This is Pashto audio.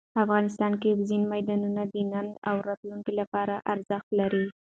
افغانستان کې اوبزین معدنونه د نن او راتلونکي لپاره ارزښت لري.